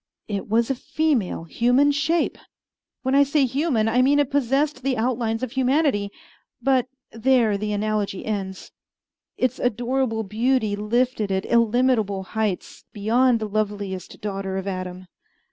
It was a female human shape. When I say human, I mean it possessed the outlines of humanity; but there the analogy ends. Its adorable beauty lifted it illimitable heights beyond the loveliest daughter of Adam.